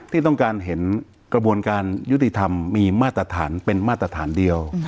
ที่ต้องการเห็นกระบวนการยุติธรรมมีมาตรฐานเป็นมาตรฐานเดียว